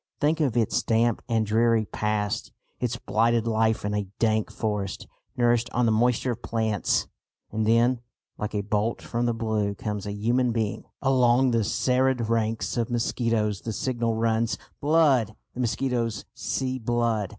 Think of its damp and dreary past, its blighted life in a dank forest, nourished on the moisture of plants! And then, like a bolt from the blue, comes a human being! Along the serried ranks of mosquitoes the signal runs, "Blood!" The mosquitoes "see blood."